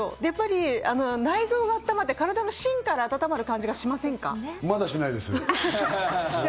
内臓があったまって、体の芯から温まる感じがしませんか？